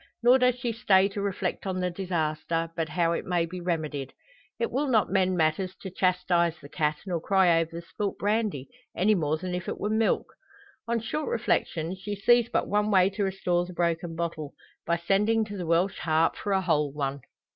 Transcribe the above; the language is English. Nor does she stay to reflect on the disaster, but how it may be remedied. It will not mend matters to chastise the cat, nor cry over the spilt brandy, any more than if it were milk. On short reflection she sees but one way to restore the broken bottle by sending to the "Welsh Harp" for a whole one.